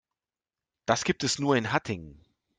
Das gibt es nur in Hattingen